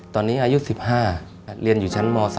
ตอนนี้อายุ๑๕เรียนอยู่ชั้นม๓